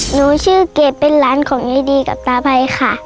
หนูชื่อเกดเป็นหลานของยายดีกับตาไพรค่ะ